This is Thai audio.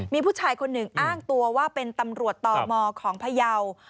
มีผู้ชายคนหนึ่งอ้างตัวว่าเป็นตำรวจต่อมของพยาว